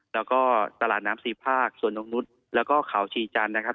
แล้วก็ตลาดน้ำสี่ภาคสวนนกนุษย์แล้วก็เขาชีจันทร์นะครับ